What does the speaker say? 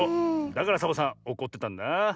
だからサボさんおこってたんだ。